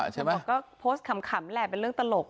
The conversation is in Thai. ใช่ไหมก็โพสต์ขำแหละเป็นเรื่องตลก